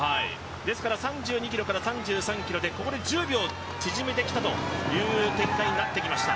ですから３２ｋｍから３３ｋｍで１０秒縮めてきたという展開になってきました。